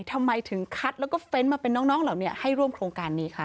ทำไมถึงคัดแล้วก็เฟ้นต์มาเป็นน้องเหล่านี้ให้ร่วมโครงการนี้คะ